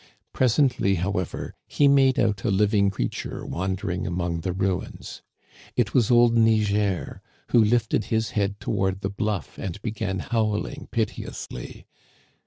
Presently, however, he made out a living creature wandering among the ruins. It was old Niger, who lifted his head toward the bluff and began howling piteously.